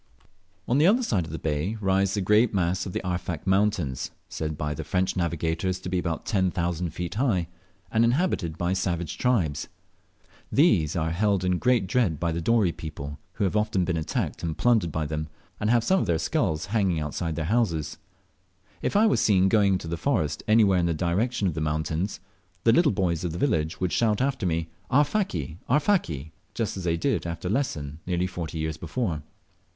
On the other side of the bay rise the great mass of the Arfak mountains, said by the French navigators to be about ten thousand feet high, and inhabited by savage tribes. These are held in great dread by the Dorey people, who have often been attacked and plundered by them, and have some of their skulls hanging outside their houses. If I was seem going into the forest anywhere in the direction of the mountains, the little boys of the village would shout after me, "Arfaki! Arfaki?" just as they did after Lesson nearly forty years before.